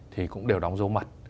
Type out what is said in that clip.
thì cũng đều đóng dấu mật